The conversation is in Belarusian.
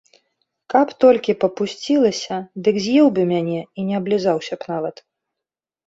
Каб толькі папусцілася, дык з'еў бы мяне і не аблізаўся б нават.